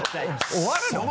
終わるの？